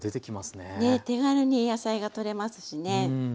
ねっ手軽に野菜がとれますしね。